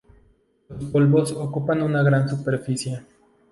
Los polvos ocupan una gran superficie.